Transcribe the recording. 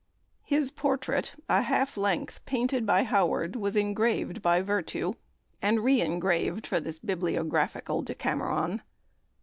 His portrait, a half length, painted by Howard, was engraved by Vertue, and re engraved for the Bibliographical Decameron.